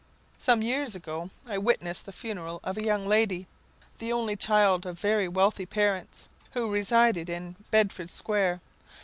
'" Some years ago I witnessed the funeral of a young lady, the only child of very wealthy parents, who resided in of Bedford square.